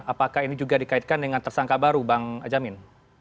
apakah ini juga dikaitkan dengan tersangka baru bang jamin